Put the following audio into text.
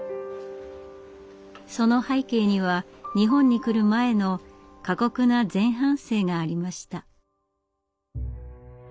その背景には日本に来る前の過酷な前半生がありました。